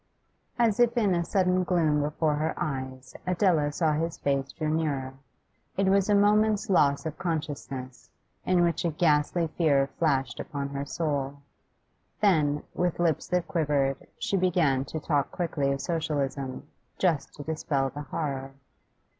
As if in a sudden gloom before her eyes Adela saw his face draw nearer. It was a moment's loss of consciousness, in which a ghastly fear flashed upon her soul. Then, with lips that quivered, she began to talk quickly of Socialism, just to dispel the horror.